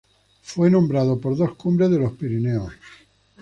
Fue nombrado por dos cumbres de los Pirineos.